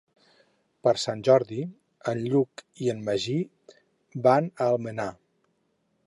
Per Sant Jordi en Lluc i en Magí van a Almenar.